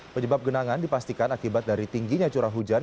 penyebab genangan dipastikan akibat dari tingginya curah hujan